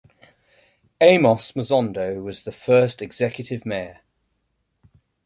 Amos Mosondo was the first executive mayor.